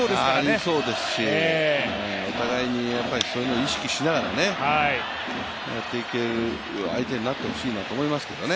ありそうですし、お互いにそういうのを意識しながらやっていける相手になってほしいなと思います。